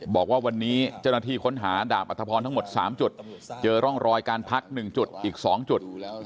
บอกว่าวันนี้เจ้าหน้าที่ค้นหาดาบอัธพรทั้งหมด๓จุดเจอร่องรอยการพัก๑จุดอีก๒จุด